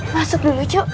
masuk dulu cu